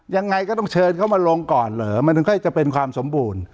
ยังไงก็ต้องเชิญเข้ามาลงก่อนเหรอมันถึงค่อยจะเป็นความสมบูรณ์